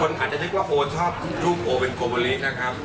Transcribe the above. อาจจะนึกว่าโอชอบรูปโอเป็นโกโบลินะครับ